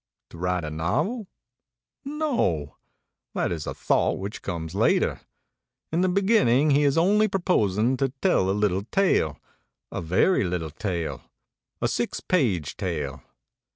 To write a novel? No that is a thought which comes later; in the beginning he is only proposing to tell a little tale; a very little tale; a six page tale.